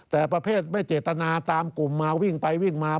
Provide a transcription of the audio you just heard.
แต่ประเภทไม่เจตนาตามกลุ่มมาวิ่งไปวิ่งมา